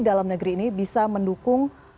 dalam negeri ini bisa mendukung